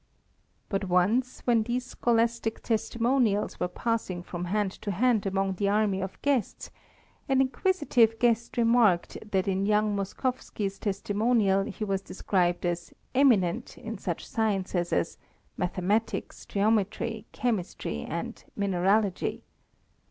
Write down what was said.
But once when these scholastic testimonials were passing from hand to hand among the army of guests, an inquisitive guest remarked that in young Moskowski's testimonial he was described as "eminent" in such sciences as "mathematics," "geometry," "chemistry," and "mineralogy."